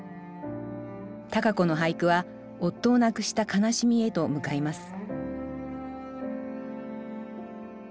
多佳子の俳句は夫を亡くした悲しみへと向かいます